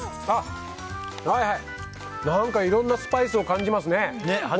何かいろんなスパイスを感じますね。